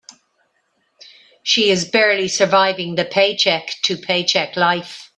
She is barely surviving the paycheck to paycheck life.